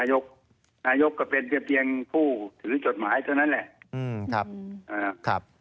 เจนก็เป็นเป็นเพียงผู้ถือจดหมายเท่านั้นแหละ